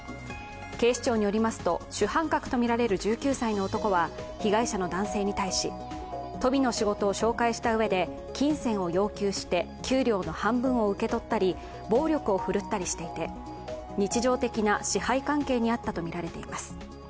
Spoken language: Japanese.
警視庁によりますと主犯格とみられる１９歳の男は被害者の男性に対し、とびの仕事を紹介したうえで金銭を要求して給料の半分を受け取ったり暴力を振るったりしていて日常的な支配関係にあったとみられています。